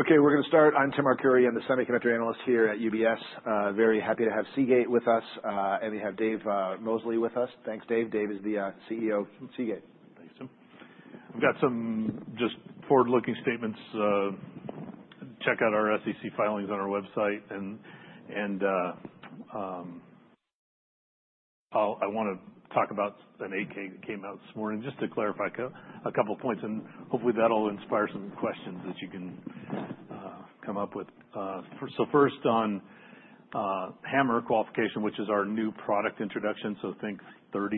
Okay, we're going to start. I'm Tim Arcuri, I'm the semiconductor analyst here at UBS. Very happy to have Seagate with us. And we have Dave Mosley with us. Thanks, Dave. Dave is the CEO of Seagate. Thanks, Tim. I've got some just forward-looking statements. Check out our SEC filings on our website. I want to talk about an 8-K that came out this morning. Just to clarify a couple of points, and hopefully that'll inspire some questions that you can come up with. First on HAMR qualification, which is our new product introduction. Think 30+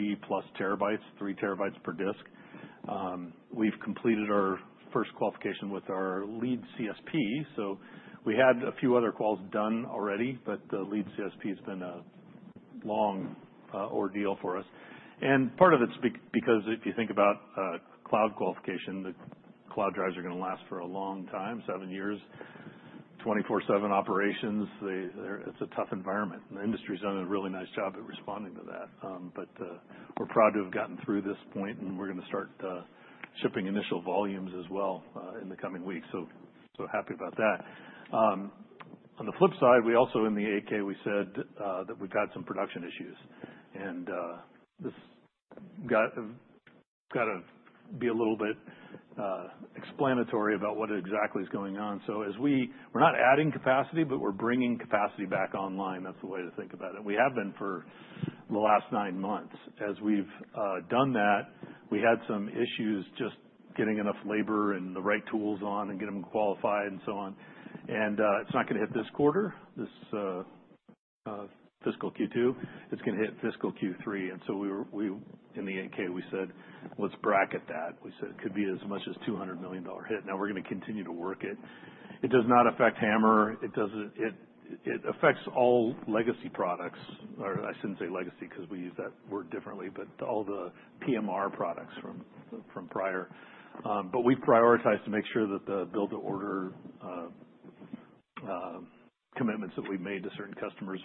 TB, 3 TB per disk. We've completed our first qualification with our lead CSP. We had a few other calls done already, but the lead CSP has been a long ordeal for us. Part of it's because if you think about cloud qualification, the cloud drives are going to last for a long time, seven years, 24/7 operations. It's a tough environment. The industry's done a really nice job at responding to that. We're proud to have gotten through this point, and we're going to start shipping initial volumes as well in the coming weeks. Happy about that. On the flip side, we also, in the 8-K, said that we've got some production issues. This got to be a little bit explanatory about what exactly is going on. We're not adding capacity, but we're bringing capacity back online. That's the way to think about it. We have been for the last nine months. As we've done that, we had some issues just getting enough labor and the right tools on and getting them qualified and so on. It's not going to hit this quarter, this fiscal Q2. It's going to hit fiscal Q3. In the 8-K, we said, "Let's bracket that." We said it could be as much as a $200 million hit. Now we're going to continue to work it. It does not affect HAMR. It affects all legacy products. I shouldn't say legacy because we use that word differently, but all the PMR products from prior. But we've prioritized to make sure that the build-to-order commitments that we've made to certain customers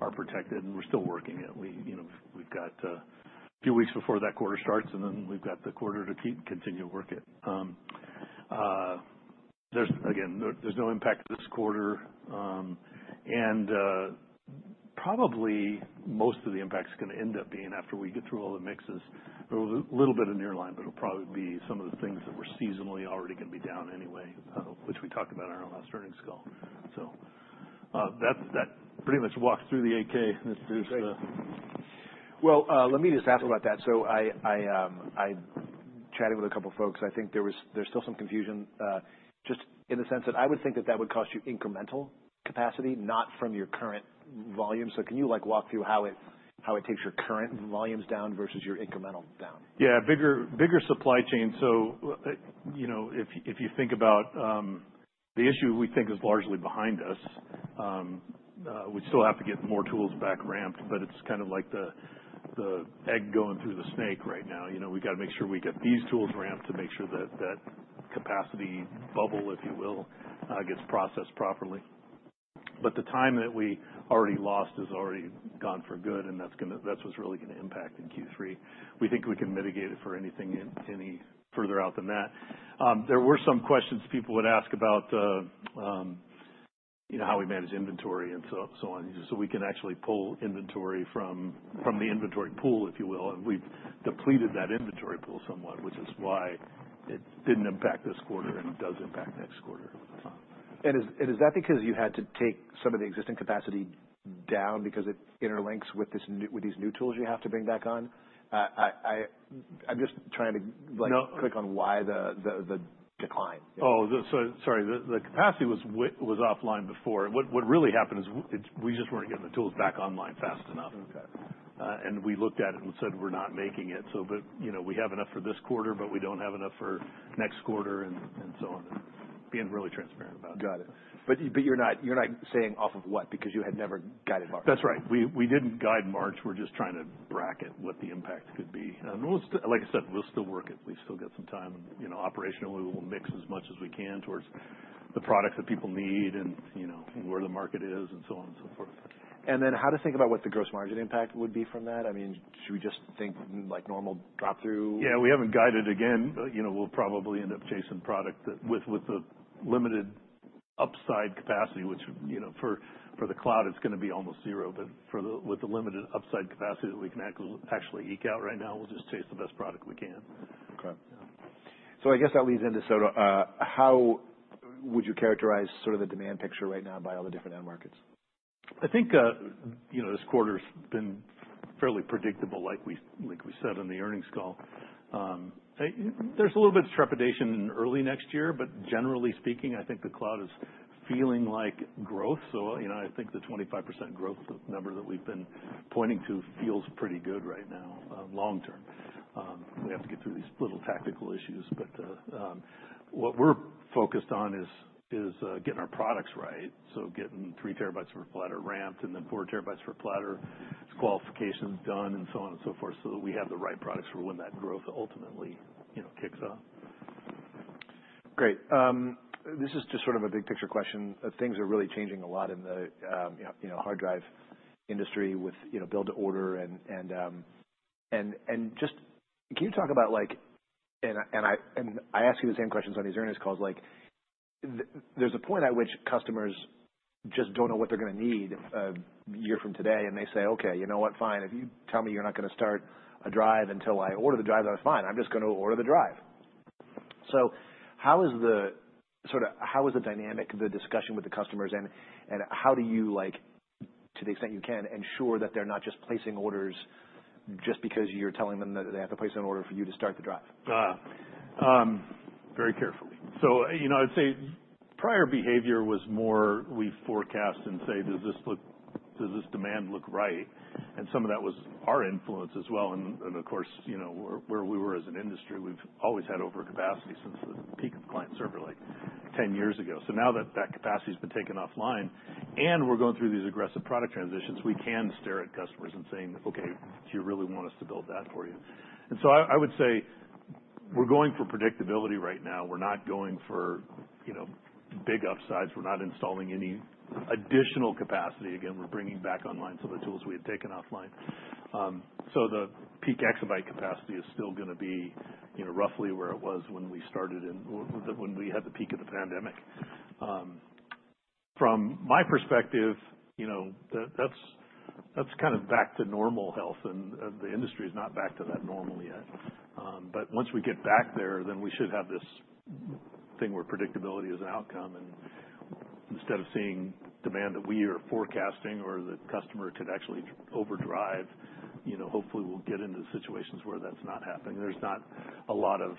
are protected, and we're still working it. We've got a few weeks before that quarter starts, and then we've got the quarter to continue to work it. Again, there's no impact this quarter. And probably most of the impact is going to end up being after we get through all the mixes. There was a little bit of nearline, but it'll probably be some of the things that we're seasonally already going to be down anyway, which we talked about on our last earnings call. So that pretty much walks through the 8-K. Well, let me just ask about that. So I chatted with a couple of folks. I think there's still some confusion just in the sense that I would think that that would cost you incremental capacity, not from your current volume. So can you walk through how it takes your current volumes down versus your incremental down? Yeah, bigger supply chain. So if you think about the issue, we think is largely behind us. We still have to get more tools back ramped, but it's kind of like the egg going through the snake right now. We've got to make sure we get these tools ramped to make sure that that capacity bubble, if you will, gets processed properly. But the time that we already lost is already gone for good, and that's what's really going to impact in Q3. We think we can mitigate it for anything any further out than that. There were some questions people would ask about how we manage inventory and so on. So we can actually pull inventory from the inventory pool, if you will, and we've depleted that inventory pool somewhat, which is why it didn't impact this quarter and does impact next quarter. Is that because you had to take some of the existing capacity down because it interlinks with these new tools you have to bring back on? I'm just trying to click on why the decline. Oh, sorry. The capacity was offline before. What really happened is we just weren't getting the tools back online fast enough, and we looked at it and said, "We're not making it," but we have enough for this quarter, but we don't have enough for next quarter and so on. Being really transparent about it. Got it. But you're not saying off of what because you had never guided March. That's right. We didn't guide March. We're just trying to bracket what the impact could be. Like I said, we'll still work it. We've still got some time. Operationally, we'll mix as much as we can towards the products that people need and where the market is and so on and so forth. And then how to think about what the gross margin impact would be from that? I mean, should we just think like normal drop-through? Yeah, we haven't guided it again. We'll probably end up chasing product with the limited upside capacity, which for the cloud, it's going to be almost zero. But with the limited upside capacity that we can actually eke out right now, we'll just chase the best product we can. Okay. So I guess that leads into how would you characterize sort of the demand picture right now by all the different end markets? I think this quarter has been fairly predictable, like we said on the earnings call. There's a little bit of trepidation in early next year, but generally speaking, I think the cloud is feeling like growth, so I think the 25% growth number that we've been pointing to feels pretty good right now, long term. We have to get through these little tactical issues. But what we're focused on is getting our products right, so getting 3 TB per platter ramped and then 4 TB per platter qualifications done and so on and so forth so that we have the right products for when that growth ultimately kicks off. Great. This is just sort of a big picture question. Things are really changing a lot in the hard drive industry with build-to-order. And just can you talk about, and I ask you the same questions on these earnings calls, there's a point at which customers just don't know what they're going to need a year from today. And they say, "Okay, you know what? Fine. If you tell me you're not going to start a drive until I order the drive, that's fine. I'm just going to order the drive." So how is the dynamic, the discussion with the customers, and how do you, to the extent you can, ensure that they're not just placing orders just because you're telling them that they have to place an order for you to start the drive? Very carefully, so I'd say prior behavior was more we forecast and say, "Does this demand look right?" and some of that was our influence as well, and of course, where we were as an industry, we've always had overcapacity since the peak of client server like 10 years ago, so now that that capacity has been taken offline, and we're going through these aggressive product transitions, we can steer at customers and say, "Okay, do you really want us to build that for you?" and so I would say we're going for predictability right now. We're not going for big upsides. We're not installing any additional capacity. Again, we're bringing back online some of the tools we had taken offline, so the peak exabyte capacity is still going to be roughly where it was when we started and when we had the peak of the pandemic. From my perspective, that's kind of back to normal health, and the industry is not back to that normal yet, but once we get back there, then we should have this thing where predictability is an outcome, and instead of seeing demand that we are forecasting or the customer could actually overdrive, hopefully we'll get into situations where that's not happening. There's not a lot of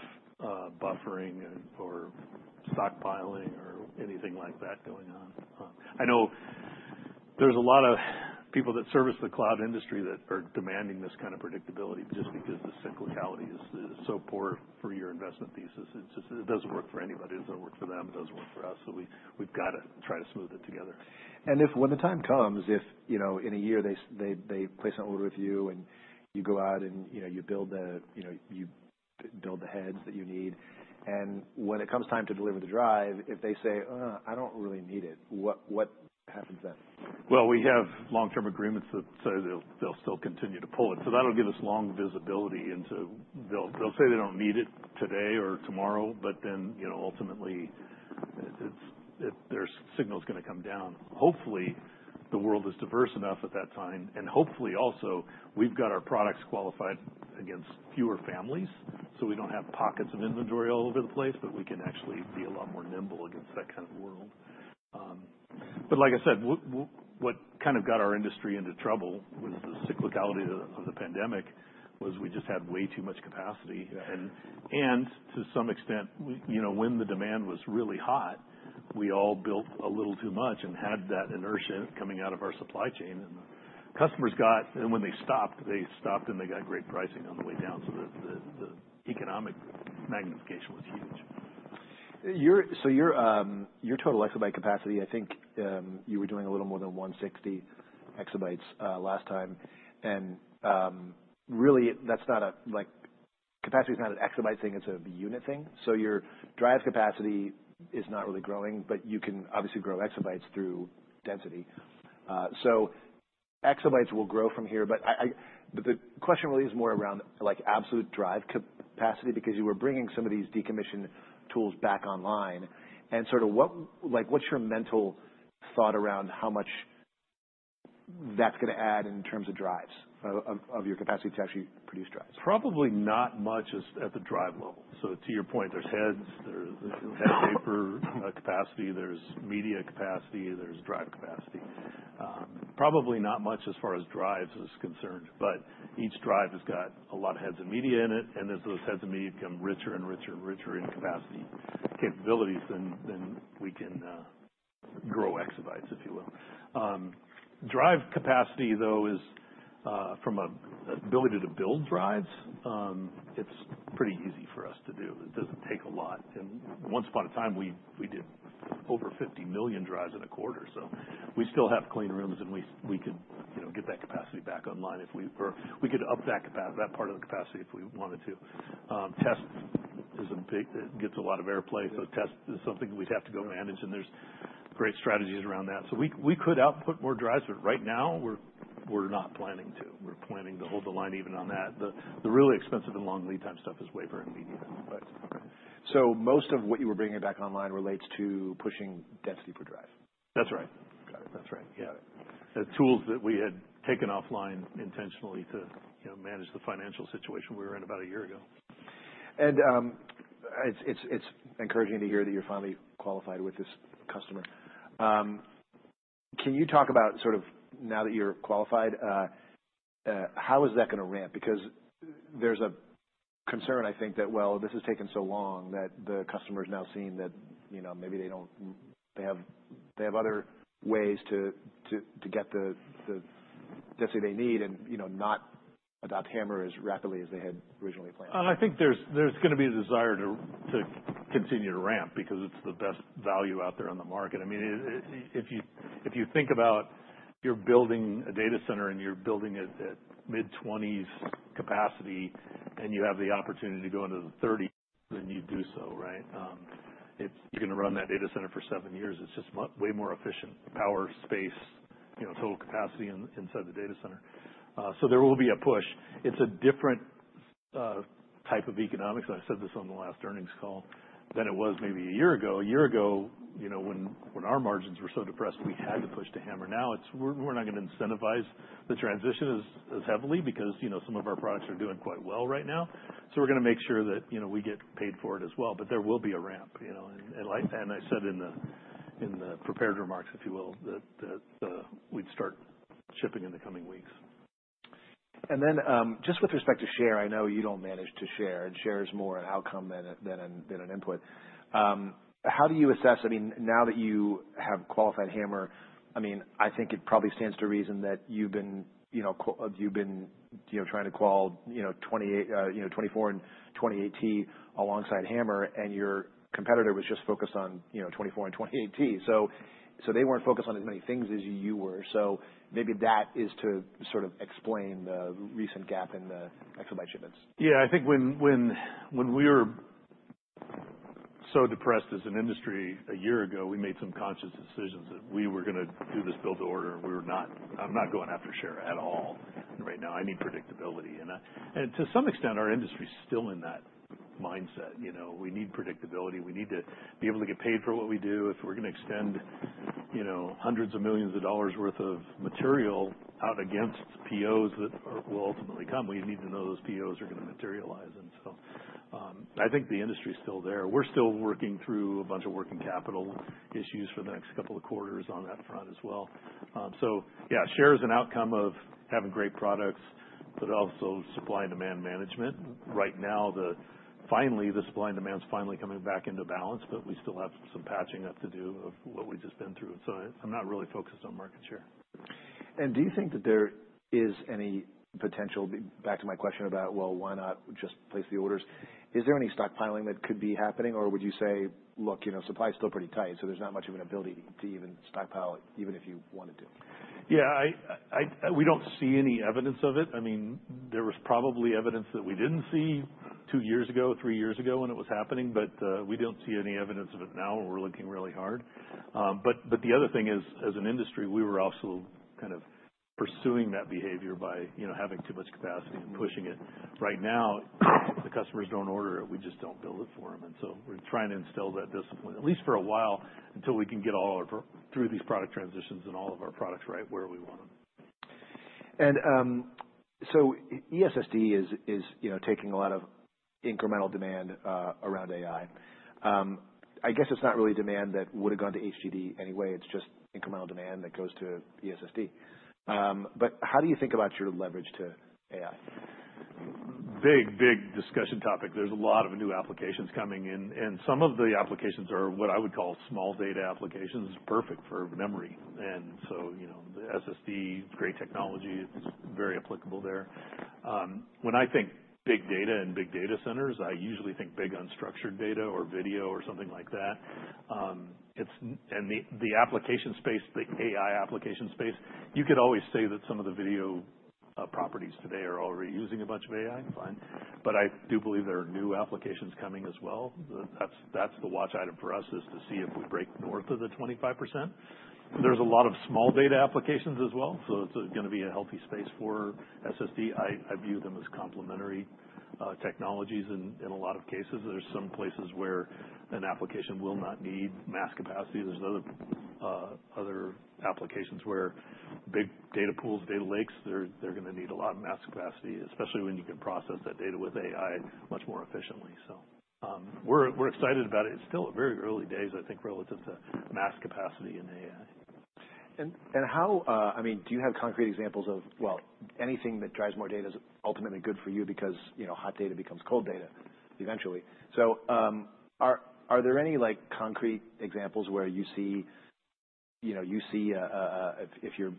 buffering or stockpiling or anything like that going on. I know there's a lot of people that service the cloud industry that are demanding this kind of predictability just because the cyclicality is so poor for your investment thesis. It doesn't work for anybody. It doesn't work for them. It doesn't work for us, so we've got to try to smooth it together. If when the time comes, if in a year they place an order with you and you go out and you build the heads that you need, and when it comes time to deliver the drive, if they say, "I don't really need it," what happens then? We have long-term agreements that say they'll still continue to pull it, so that'll give us long visibility into they'll say they don't need it today or tomorrow, but then ultimately their signal is going to come down. Hopefully, the world is diverse enough at that time, and hopefully also, we've got our products qualified against fewer families, so we don't have pockets of inventory all over the place, but we can actually be a lot more nimble against that kind of world, but like I said, what kind of got our industry into trouble was the cyclicality of the pandemic was we just had way too much capacity, and to some extent, when the demand was really hot, we all built a little too much and had that inertia coming out of our supply chain. Customers got, and when they stopped, they stopped and they got great pricing on the way down. The economic magnification was huge. So your total exabyte capacity, I think you were doing a little more than 160 exabytes last time. And really, capacity is not an exabyte thing. It's a unit thing. So your drive capacity is not really growing, but you can obviously grow exabytes through density. So exabytes will grow from here. But the question really is more around absolute drive capacity because you were bringing some of these decommissioned tools back online. And sort of what's your mental thought around how much that's going to add in terms of drives, of your capacity to actually produce drives? Probably not much at the drive level. So to your point, there's heads, there's head wafer capacity, there's media capacity, there's drive capacity. Probably not much as far as drives is concerned. But each drive has got a lot of heads and media in it. And as those heads and media become richer and richer and richer in capacity capabilities, then we can grow exabytes, if you will. Drive capacity, though, is from an ability to build drives. It's pretty easy for us to do. It doesn't take a lot. And once upon a time, we did over 50 million drives in a quarter. So we still have clean rooms, and we could get that capacity back online. We could up that part of the capacity if we wanted to. Test is big. It gets a lot of airplay. So test is something we'd have to go manage. There's great strategies around that. We could output more drives, but right now, we're not planning to. We're planning to hold the line even on that. The really expensive and long lead time stuff is way better than media. Most of what you were bringing back online relates to pushing density per drive? That's right. That's right. Yeah. Tools that we had taken offline intentionally to manage the financial situation we were in about a year ago. And it's encouraging to hear that you're finally qualified with this customer. Can you talk about sort of now that you're qualified, how is that going to ramp? Because there's a concern, I think, that, well, this has taken so long that the customer is now seeing that maybe they have other ways to get the density they need and not adopt HAMR as rapidly as they had originally planned. I think there's going to be a desire to continue to ramp because it's the best value out there on the market. I mean, if you think about you're building a data center and you're building at mid-20s capacity and you have the opportunity to go into the 30s, then you do so, right? You're going to run that data center for seven years. It's just way more efficient power space, total capacity inside the data center. So there will be a push. It's a different type of economics. I said this on the last earnings call. Different than it was maybe a year ago. A year ago, when our margins were so depressed, we had to push to HAMR. Now, we're not going to incentivize the transition as heavily because some of our products are doing quite well right now. So we're going to make sure that we get paid for it as well. But there will be a ramp. And I said in the prepared remarks, if you will, that we'd start shipping in the coming weeks. Then, just with respect to share, I know you don't manage for share. Share is more an outcome than an input. How do you assess? I mean, now that you have qualified HAMR, I mean, I think it probably stands to reason that you've been trying to qual 24 and 28T alongside HAMR, and your competitor was just focused on 24 and 28T. So they weren't focused on as many things as you were. So maybe that is to sort of explain the recent gap in the exabyte shipments. Yeah. I think when we were so depressed as an industry a year ago, we made some conscious decisions that we were going to do this build-to-order. I'm not going after share at all right now. I need predictability. And to some extent, our industry is still in that mindset. We need predictability. We need to be able to get paid for what we do. If we're going to extend hundreds of millions of dollars' worth of material out against POs that will ultimately come, we need to know those POs are going to materialize. And so I think the industry is still there. We're still working through a bunch of working capital issues for the next couple of quarters on that front as well. So yeah, share is an outcome of having great products, but also supply and demand management. Right now, finally, the supply and demand is finally coming back into balance, but we still have some patching up to do of what we've just been through. So I'm not really focused on market share. And do you think that there is any potential? Back to my question about, well, why not just place the orders? Is there any stockpiling that could be happening? Or would you say, look, supply is still pretty tight, so there's not much of an ability to even stockpile even if you wanted to? Yeah. We don't see any evidence of it. I mean, there was probably evidence that we didn't see two years ago, three years ago when it was happening, but we don't see any evidence of it now. We're looking really hard. But the other thing is, as an industry, we were also kind of pursuing that behavior by having too much capacity and pushing it. Right now, the customers don't order it. We just don't build it for them. And so we're trying to instill that discipline, at least for a while, until we can get all our through these product transitions and all of our products right where we want them. And so ESSD is taking a lot of incremental demand around AI. I guess it's not really demand that would have gone to HDD anyway. It's just incremental demand that goes to ESSD. But how do you think about your leverage to AI? Big, big discussion topic. There's a lot of new applications coming in, and some of the applications are what I would call small data applications. It's perfect for memory, and so the SSD, great technology. It's very applicable there. When I think big data and big data centers, I usually think big unstructured data or video or something like that, and the application space, the AI application space, you could always say that some of the video properties today are already using a bunch of AI. Fine, but I do believe there are new applications coming as well. That's the watch item for us is to see if we break north of the 25%. There's a lot of small data applications as well, so it's going to be a healthy space for SSD. I view them as complementary technologies in a lot of cases. There's some places where an application will not need mass capacity. There's other applications where big data pools, data lakes, they're going to need a lot of mass capacity, especially when you can process that data with AI much more efficiently. So we're excited about it. It's still very early days, I think, relative to mass capacity in AI. And how, I mean, do you have concrete examples of, well, anything that drives more data is ultimately good for you because hot data becomes cold data eventually? So are there any concrete examples where you see, if you're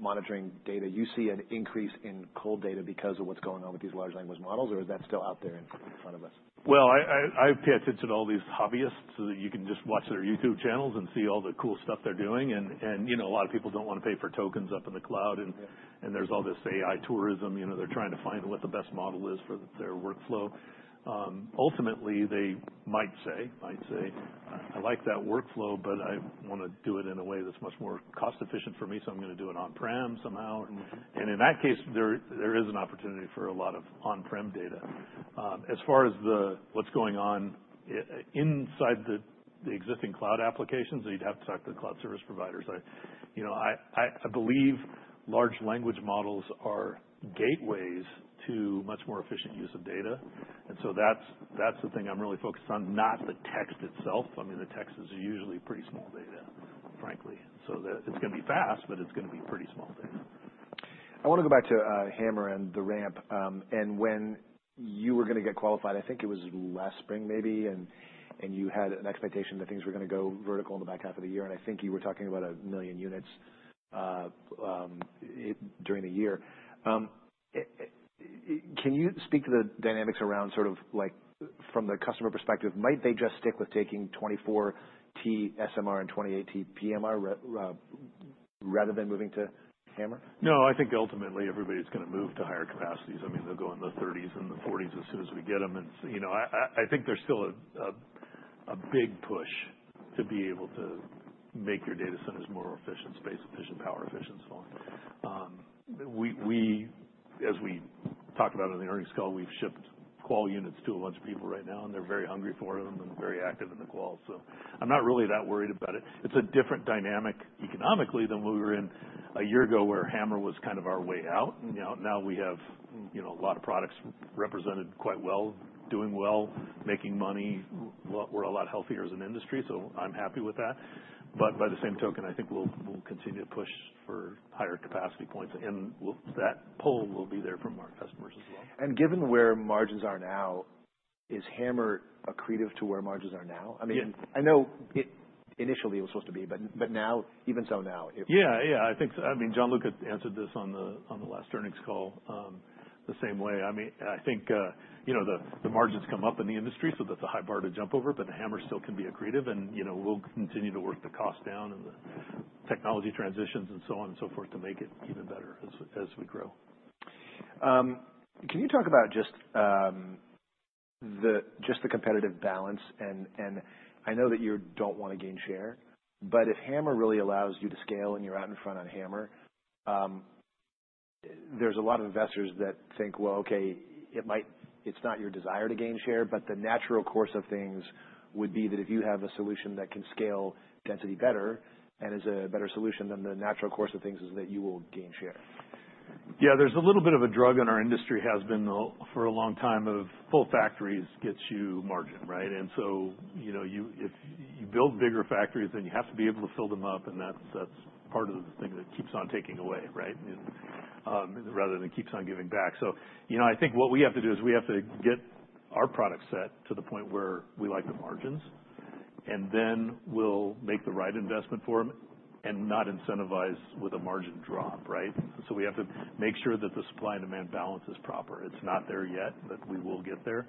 monitoring data, you see an increase in cold data because of what's going on with these large language models, or is that still out there in front of us? I pay attention to all these hobbyists that you can just watch their YouTube channels and see all the cool stuff they're doing. And a lot of people don't want to pay for tokens up in the cloud. And there's all this AI tourism. They're trying to find what the best model is for their workflow. Ultimately, they might say, "I like that workflow, but I want to do it in a way that's much more cost-efficient for me, so I'm going to do it on-prem somehow." And in that case, there is an opportunity for a lot of on-prem data. As far as what's going on inside the existing cloud applications, you'd have to talk to the cloud service providers. I believe large language models are gateways to much more efficient use of data. And so that's the thing I'm really focused on, not the text itself. I mean, the text is usually pretty small data, frankly. So it's going to be fast, but it's going to be pretty small data. I want to go back to HAMR and the ramp. And when you were going to get qualified, I think it was last spring maybe, and you had an expectation that things were going to go vertical in the back half of the year. And I think you were talking about a million units during the year. Can you speak to the dynamics around sort of from the customer perspective? Might they just stick with taking 24T SMR and 28T PMR rather than moving to HAMR? No, I think ultimately everybody's going to move to higher capacities. I mean, they'll go in the 30s and the 40s as soon as we get them. And I think there's still a big push to be able to make your data centers more efficient, space efficient, power efficient, and so on. As we talked about in the earnings call, we've shipped Qual units to a bunch of people right now, and they're very hungry for them and very active in the Qual. So I'm not really that worried about it. It's a different dynamic economically than we were in a year ago where HAMR was kind of our way out. Now we have a lot of products represented quite well, doing well, making money. We're a lot healthier as an industry, so I'm happy with that. But by the same token, I think we'll continue to push for higher capacity points. And that pull will be there from our customers as well. Given where margins are now, is HAMR accretive to where margins are now? I mean, I know initially it was supposed to be, but now, even so now. Yeah, yeah. I mean, John Lucas answered this on the last earnings call the same way. I mean, I think the margins come up in the industry, so that's a high bar to jump over, but the HAMR still can be accretive, and we'll continue to work the cost down and the technology transitions and so on and so forth to make it even better as we grow. Can you talk about just the competitive balance? I know that you don't want to gain share, but if HAMR really allows you to scale and you're out in front on HAMR, there's a lot of investors that think, well, okay, it's not your desire to gain share, but the natural course of things would be that if you have a solution that can scale density better and is a better solution, then the natural course of things is that you will gain share. Yeah. There's a little bit of a drug in our industry, has been for a long time of full factories gets you margin, right? And so if you build bigger factories, then you have to be able to fill them up. And that's part of the thing that keeps on taking away, right, rather than keeps on giving back. So I think what we have to do is we have to get our product set to the point where we like the margins, and then we'll make the right investment for them and not incentivize with a margin drop, right? So we have to make sure that the supply and demand balance is proper. It's not there yet, but we will get there.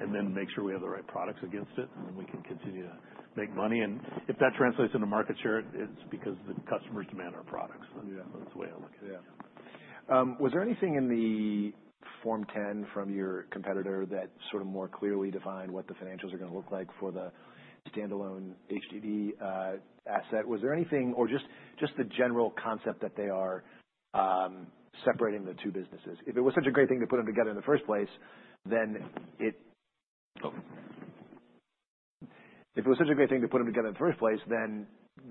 And then make sure we have the right products against it, and then we can continue to make money. If that translates into market share, it's because the customers demand our products. That's the way I look at it. Yeah. Was there anything in the Form 10 from your competitor that sort of more clearly defined what the financials are going to look like for the standalone HDD asset? Was there anything, or just the general concept that they are separating the two businesses? If it was such a great thing to put them together in the first place, then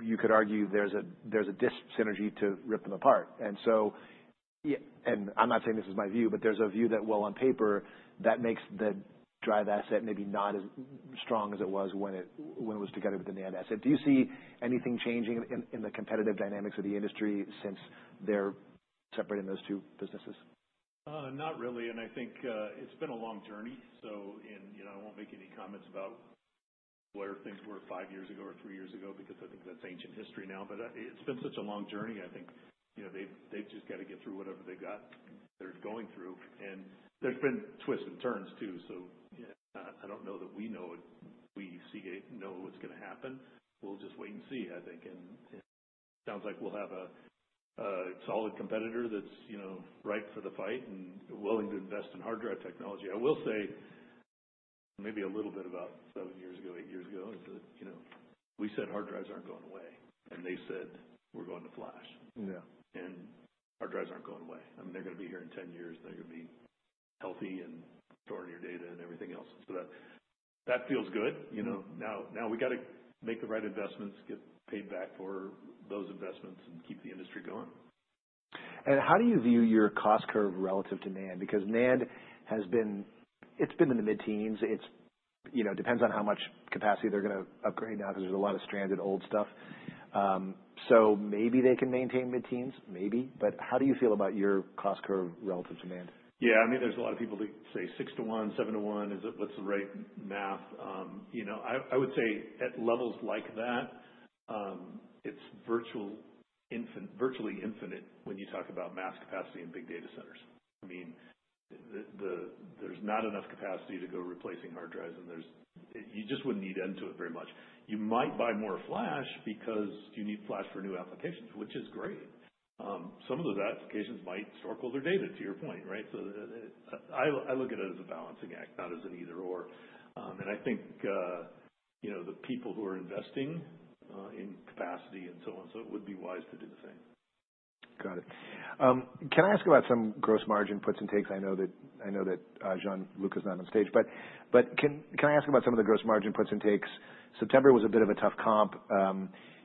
you could argue there's a synergy to rip them apart. I'm not saying this is my view, but there's a view that, well, on paper, that makes the drive asset maybe not as strong as it was when it was together with the NAND asset. Do you see anything changing in the competitive dynamics of the industry since they're separating those two businesses? Not really. And I think it's been a long journey. So I won't make any comments about where things were five years ago or three years ago because I think that's ancient history now. But it's been such a long journey. I think they've just got to get through whatever they've got they're going through. And there's been twists and turns too. So I don't know that we know it. We know what's going to happen. We'll just wait and see, I think. And it sounds like we'll have a solid competitor that's ripe for the fight and willing to invest in hard drive technology. I will say maybe a little bit about seven years ago, eight years ago, is that we said hard drives aren't going away, and they said we're going to flash. And hard drives aren't going away. I mean, they're going to be here in 10 years. They're going to be healthy and storing your data and everything else. So that feels good. Now we got to make the right investments, get paid back for those investments, and keep the industry going. How do you view your cost curve relative to NAND? Because NAND has been, it's been in the mid-teens. It depends on how much capacity they're going to upgrade now because there's a lot of stranded old stuff. So maybe they can maintain mid-teens, maybe. But how do you feel about your cost curve relative to NAND? Yeah. I mean, there's a lot of people that say six to one, seven to one. What's the right math? I would say at levels like that, it's virtually infinite when you talk about mass capacity in big data centers. I mean, there's not enough capacity to go replacing hard drives, and you just wouldn't need end to it very much. You might buy more flash because you need flash for new applications, which is great. Some of those applications might store colder data, to your point, right? So I look at it as a balancing act, not as an either/or. And I think the people who are investing in capacity and so on and so forth would be wise to do the same. Got it. Can I ask about some gross margin puts and takes? I know that John Lucas is not on stage. But can I ask about some of the gross margin puts and takes? September was a bit of a tough comp.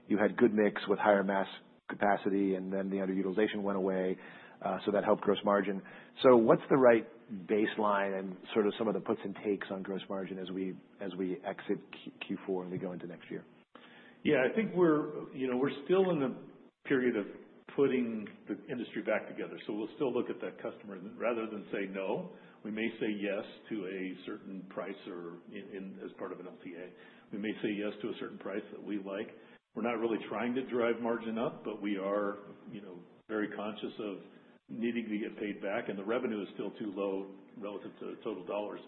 You had good mix with higher mass capacity, and then the underutilization went away. So that helped gross margin. So what's the right baseline and sort of some of the puts and takes on gross margin as we exit Q4 and we go into next year? Yeah. I think we're still in the period of putting the industry back together. So we'll still look at that customer. Rather than say no, we may say yes to a certain price or as part of an LTA. We may say yes to a certain price that we like. We're not really trying to drive margin up, but we are very conscious of needing to get paid back. And the revenue is still too low relative to total dollars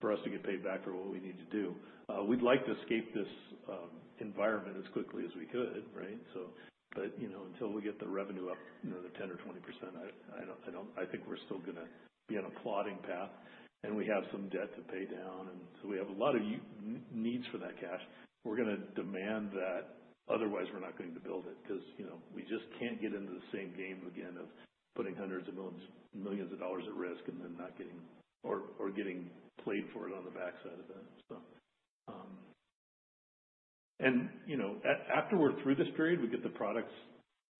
for us to get paid back for what we need to do. We'd like to escape this environment as quickly as we could, right? But until we get the revenue up another 10% or 20%, I think we're still going to be on a plodding path. And we have some debt to pay down. And so we have a lot of needs for that cash. We're going to demand that. Otherwise, we're not going to build it because we just can't get into the same game again of putting hundreds of millions of dollars at risk and then not getting or getting played for it on the backside of that. After we're through this period, we get the products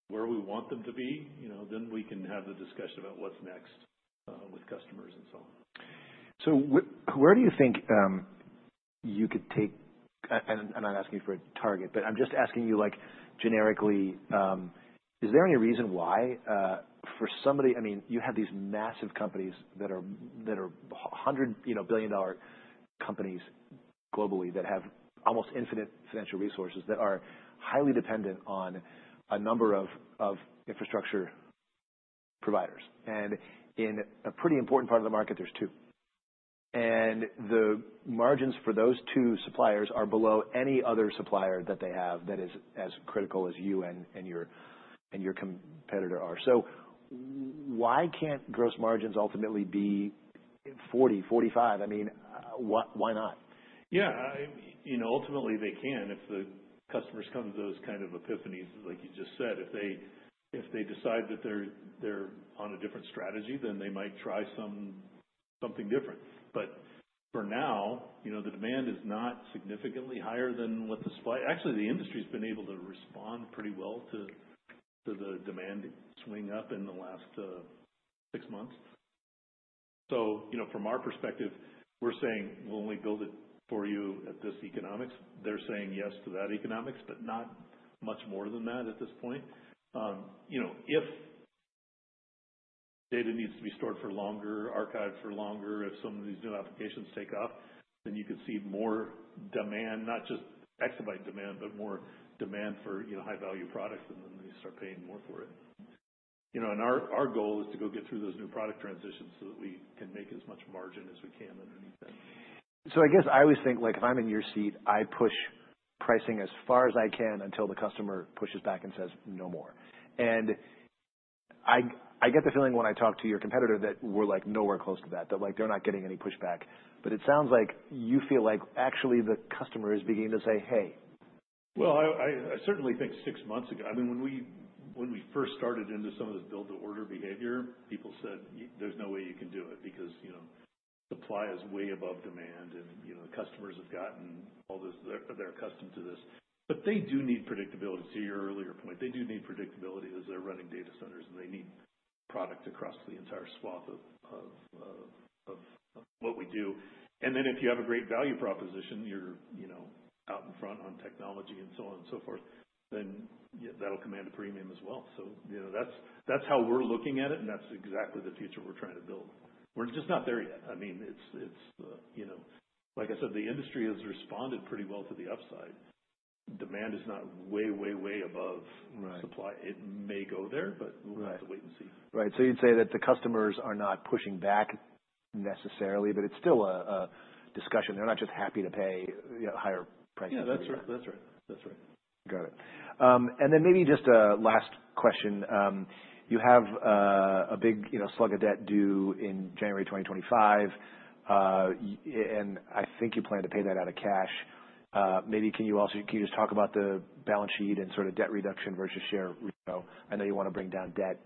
where we want them to be, then we can have the discussion about what's next with customers and so on. So where do you think you could take, and I'm not asking you for a target, but I'm just asking you generically, is there any reason why for somebody. I mean, you have these massive companies that are $100 billion companies globally that have almost infinite financial resources that are highly dependent on a number of infrastructure providers. And in a pretty important part of the market, there's two. And the margins for those two suppliers are below any other supplier that they have that is as critical as you and your competitor are. So why can't gross margins ultimately be 40% to 45%? I mean, why not? Yeah. Ultimately, they can. If the customers come to those kind of epiphanies, like you just said, if they decide that they're on a different strategy, then they might try something different. But for now, the demand is not significantly higher than what the supply. Actually, the industry has been able to respond pretty well to the demand swing up in the last six months. So from our perspective, we're saying, "We'll only build it for you at this economics." They're saying yes to that economics, but not much more than that at this point. If data needs to be stored for longer, archived for longer, if some of these new applications take off, then you could see more demand, not just exabyte demand, but more demand for high-value products, and then they start paying more for it. Our goal is to go get through those new product transitions so that we can make as much margin as we can underneath that. So I guess I always think, if I'm in your seat, I push pricing as far as I can until the customer pushes back and says, "No more." And I get the feeling when I talk to your competitor that we're nowhere close to that, that they're not getting any pushback. But it sounds like you feel like actually the customer is beginning to say, "Hey. Well, I certainly think six months ago, I mean, when we first started into some of this build-to-order behavior, people said, "There's no way you can do it because supply is way above demand, and the customers have gotten all this. They're accustomed to this." But they do need predictability. To your earlier point, they do need predictability as they're running data centers, and they need product across the entire swath of what we do. And then if you have a great value proposition, you're out in front on technology and so on and so forth, then that'll command a premium as well. So that's how we're looking at it, and that's exactly the future we're trying to build. We're just not there yet. I mean, like I said, the industry has responded pretty well to the upside. Demand is not way, way, way above supply. It may go there, but we'll have to wait and see. Right. So you'd say that the customers are not pushing back necessarily, but it's still a discussion. They're not just happy to pay higher prices. Yeah, that's right. That's right. Got it. And then maybe just a last question. You have a big slug of debt due in January 2025, and I think you plan to pay that out of cash. Maybe can you just talk about the balance sheet and sort of debt reduction versus share? I know you want to bring down debt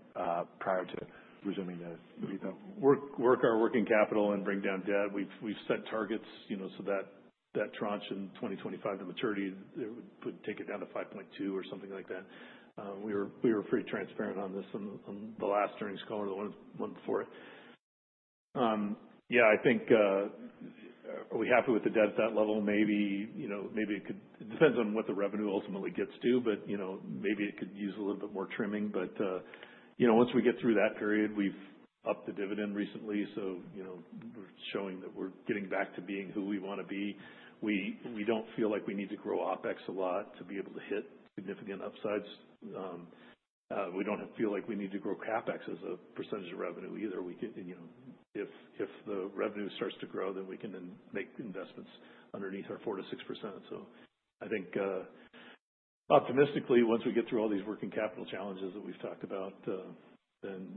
prior to resuming the repo. Work our working capital and bring down debt. We've set targets so that tranche in 2025, the maturity, would take it down to 5.2 or something like that. We were pretty transparent on this on the last earnings call or the one before it. Yeah, I think, are we happy with the debt at that level? Maybe it could, it depends on what the revenue ultimately gets to, but maybe it could use a little bit more trimming. But once we get through that period, we've upped the dividend recently, so we're showing that we're getting back to being who we want to be. We don't feel like we need to grow OPEX a lot to be able to hit significant upsides. We don't feel like we need to grow CAPEX as a percentage of revenue either. If the revenue starts to grow, then we can then make investments underneath our 4% to 6%. So I think optimistically, once we get through all these working capital challenges that we've talked about, then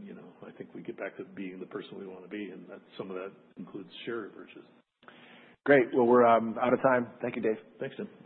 I think we get back to being the person we want to be, and some of that includes share purchase. Great. Well, we're out of time. Thank you, Dave. Thanks, Tim.